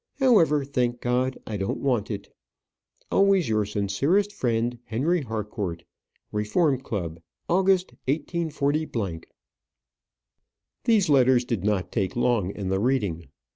However, thank God, I don't want it. Always your sincerest friend, HENRY HARCOURT. Reform Club August, 184 . These letters did not take long in the reading.